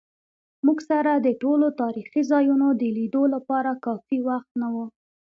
موږ سره د ټولو تاریخي ځایونو د لیدو لپاره کافي وخت نه و.